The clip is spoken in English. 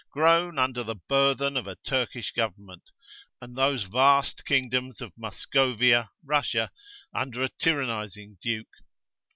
groan under the burthen of a Turkish government; and those vast kingdoms of Muscovia, Russia, under a tyrannizing duke.